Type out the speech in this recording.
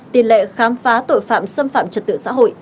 tỷ lệ khám phá tội phạm xâm phạm trật tự xã hội